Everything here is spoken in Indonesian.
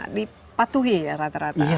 ini sudah di patuhi rata rata